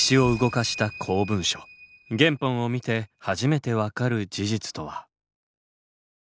原本を見て初めて分かる事実とは！？